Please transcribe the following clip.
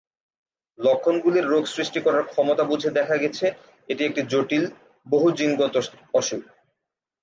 লক্ষণগুলির রোগ সৃষ্টি করার ক্ষমতা বুঝে দেখা গেছে, এটি একটি জটিল বহু জিনগত অসুখ।